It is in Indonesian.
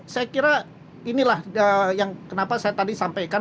saya kira inilah yang kenapa saya tadi sampaikan